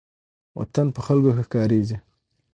وطن په خلکو ښه ښکاریږي.